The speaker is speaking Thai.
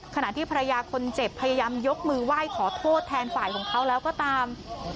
ขณะที่ภรรยาคนเจ็บพยายามยกมือไหว้ขอโทษแทนฝ่ายของเขาแล้วก็ตาม